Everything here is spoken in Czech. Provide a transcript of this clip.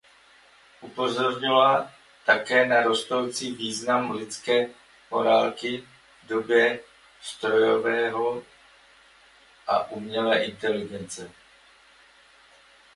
Upozornila také na rostoucí význam lidské morálky v době strojového a umělé inteligence.